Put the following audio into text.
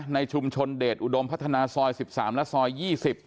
ในชุมชนเดชอุดมพัฒนาซอย๑๓และซอย๒๐